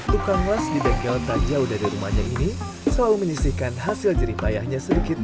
tukang las di bengkel tak jauh dari rumahnya ini selalu menyisihkan hasil jeripayahnya sedikit